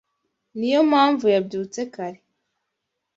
Niyo mpamvu yabyutse kare.